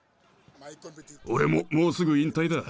俺ももうすぐ引退だ。